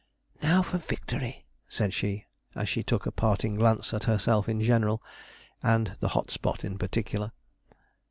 'Now for victory,' said she, as she took a parting glance at herself in general, and the hot spot in particular.